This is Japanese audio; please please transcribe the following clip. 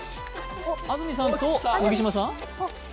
安住さんと麦島さん？